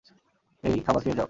এই, খাবার খেয়ে যাও।